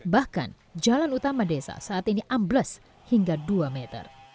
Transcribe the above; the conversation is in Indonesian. bahkan jalan utama desa saat ini ambles hingga dua meter